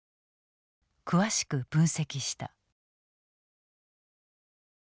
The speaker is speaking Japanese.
詳しく分析した。